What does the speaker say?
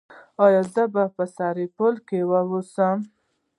ایا زه باید په سرپل کې اوسم؟